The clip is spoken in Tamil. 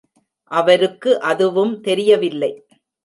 அவருக்கு அதுவும் தெரியவில்லை.